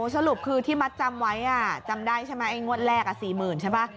สรุปคือที่มัดจำไว้จำได้ใช่ไหมไอ้งวดแรก๔๐๐๐ใช่ไหม